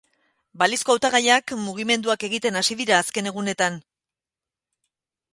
Balizko hautagaiak mugimenduak egiten hasi dira azken egunetan.